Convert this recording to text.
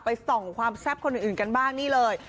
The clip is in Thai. ส่องความแซ่บคนอื่นกันบ้างนี่เลย